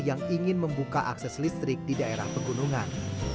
yang ingin membuka akses listrik di daerah pegunungan